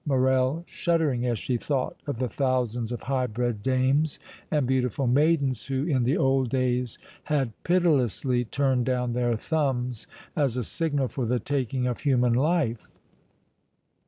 Morrel shuddering as she thought of the thousands of high bred dames and beautiful maidens who in the old days had pitilessly turned down their thumbs as a signal for the taking of human life!